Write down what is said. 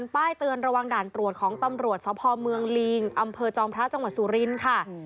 ป้ายเตือนระวังด่านตรวจของตำรวจสพเมืองลิงอำเภอจอมพระจังหวัดสุรินทร์ค่ะ